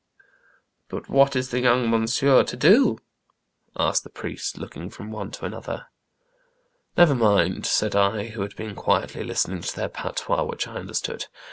But what is the young monsieur to do ?" asked the priest, looking from one to another. " Never mind," said I, who had been quietly listening to their patois, which I understood.